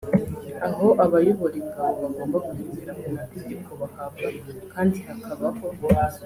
aho abayobora ingabo bagomba kugendera ku mategeko bahabwa kandi hakabaho